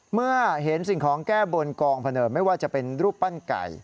เมื่อเห็นสิ่งของแก้บนกองพนมไม่ว่าจะเป็นรูปปั้นไก่